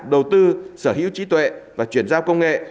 đầu tư sở hữu trí tuệ và chuyển giao công nghệ